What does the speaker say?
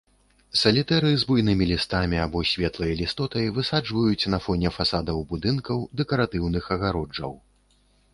Салітэры з буйнымі лістамі або светлай лістотай высаджваюць на фоне фасадаў будынкаў, дэкаратыўных агароджаў.